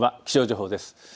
気象情報です。